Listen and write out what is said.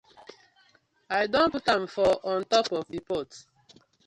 I don put am for on top of the pot.